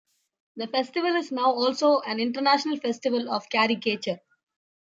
The festival is now also an international festival of caricature.